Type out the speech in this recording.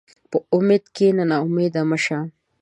په امید کښېنه، ناامیده مه شه.